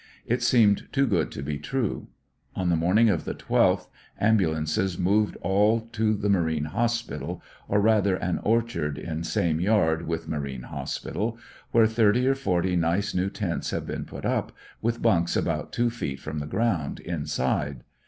It seemed too good to be true. On the morning of the 12th, ambulan ces moved all to the Marine Hospital, or rather an orchard in same yard with Marine Hospital, where thirty or forty nice new tents have been put up, with bunks about two feet from the ground, inside.